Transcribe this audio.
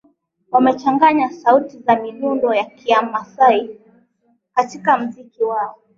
wamechanganya sauti na midundo ya kiamasai katika muziki wao